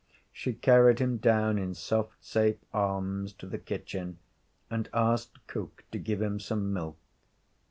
She carried him down, in soft, safe arms, to the kitchen, and asked cook to give him some milk.